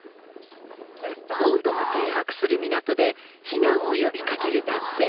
ボートが停泊する港で、避難を呼びかける男性。